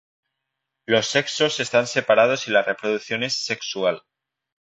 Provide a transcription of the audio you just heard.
Los sexos están separados y la reproducción es sexual.